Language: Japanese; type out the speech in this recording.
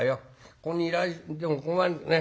ここにいられても困るね？